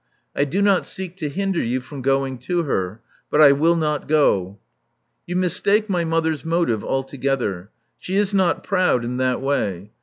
I do not seek to hinder you from going to her; but I will not go." *'You mistake my mother's motive altogether. She is not proud — in that way.